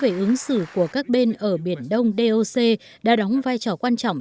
tuyên bố về ứng xử của các bên ở biển đông doc đã đóng vai trò quan trọng